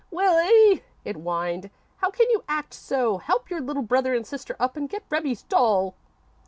"Willie," it whined, "how can you act so? Help your little brother and sister up and get Rebbie's doll."